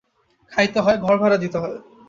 খাইতে হয়, ঘর ভাড়া দিতে হয়।